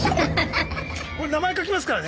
名前書きますからね！